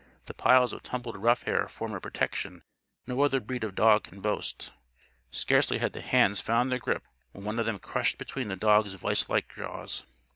The piles of tumbled ruff hair form a protection no other breed of dog can boast. Scarcely had the hands found their grip when one of them was crushed between the dog's vise like jaws.